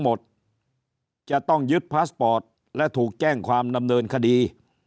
หมดจะต้องยึดพาสปอร์ตและถูกแจ้งความดำเนินคดี